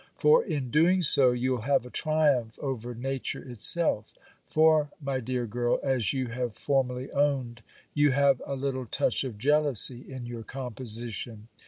For in doing so, you'll have a triumph over nature itself; for, my dear girl, as you have formerly owned, you have a little touch of jealousy in your composition.